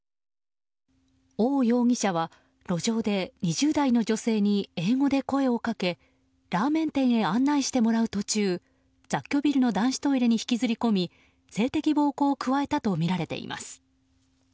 オウ容疑者は路上で２０代の女性に英語で声をかけラーメン店へ案内してもらう途中雑居ビルの男子トイレに引きずり込み性的暴行を加えたとみられています。